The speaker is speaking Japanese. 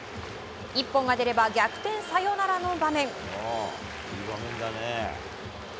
１本が出れば逆転サヨナラの場面。